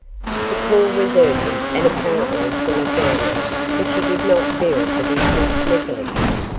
The call was urgent and apparently from a family which he did not feel that he could neglect.